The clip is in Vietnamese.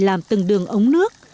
làm từng đường ống nước